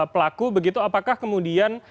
pelaku apakah kemudian